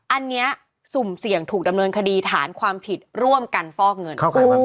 อันนี้สุ่มเสี่ยงถูกดำเนินคดีฐานความผิดร่วมกันฟอกเงิน